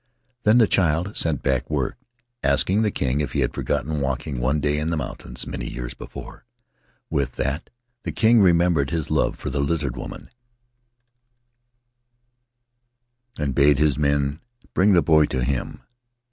Then the child sent back w^ord asking the king if he had forgotten walking one day in the mountains many years before. With that the king remembered his love for the Lizard Woman and Tahitian Tales bade his men bring the boy to him.